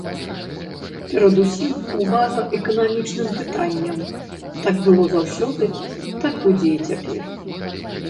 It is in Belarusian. Перадусім увага эканамічным пытанням, так было заўсёды, так будзе і цяпер.